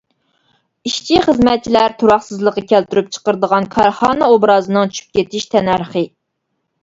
ئىشچى-خىزمەتچىلەر تۇراقسىزلىقى كەلتۈرۈپ چىقىرىدىغان كارخانا ئوبرازىنىڭ چۈشۈپ كېتىش تەننەرخى.